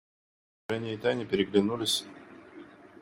Женя и Таня переглянулись.